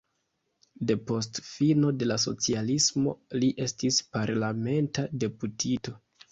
Depost fino de la socialismo li estis parlamenta deputito.